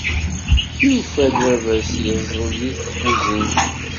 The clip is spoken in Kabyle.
Yufa-d baba-s yeẓẓel deg tkuzint.